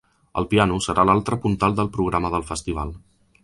El piano serà l’altre puntal del programa del festival.